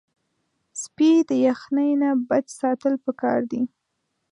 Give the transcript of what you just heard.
سپي د یخنۍ نه بچ ساتل پکار دي.